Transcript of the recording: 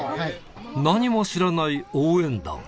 何も知らない応援団。